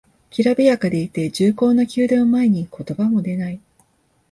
きらびやかでいて重厚な宮殿を前に言葉も出ない